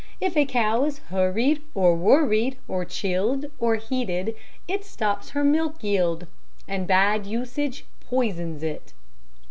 If a cow is hurried or worried, or chilled or heated, it stops her milk yield. And bad usage poisons it.